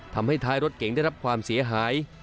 ทำให้ท้ายรถเก๋งได้รับความเสียหาย